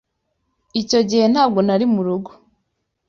Icyo gihe ntabwo nari murugo.